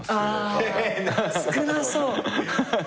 あ少なそう。